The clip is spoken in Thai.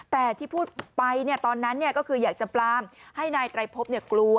แต่ที่พูดไปตอนนั้นก็คืออยากจะปลามให้นายไตรพบกลัว